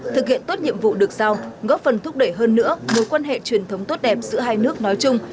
thực hiện tốt nhiệm vụ được giao góp phần thúc đẩy hơn nữa mối quan hệ truyền thống tốt đẹp giữa hai nước nói chung